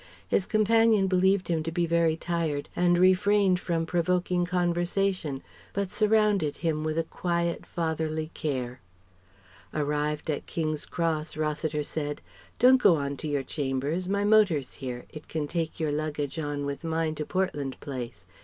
His companion believed him to be very tired, and refrained from provoking conversation, but surrounded him with a quiet, fatherly care. Arrived at King's Cross Rossiter said: "Don't go on to your chambers. My motor's here. It can take your luggage on with mine to Portland Place.